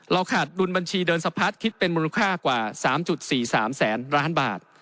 ขาดดุลบัญชีเดินสะพัดคิดเป็นมูลค่ากว่า๓๔๓แสนล้านบาท